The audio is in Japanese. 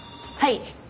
はい。